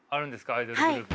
アイドルグループの。